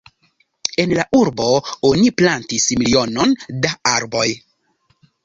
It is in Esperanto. En la urbo oni plantis milionon da arboj.